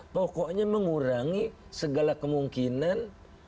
pokoknya mengurangi segala kemungkinan